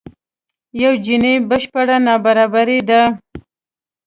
یو جیني بشپړ نابرابري ده.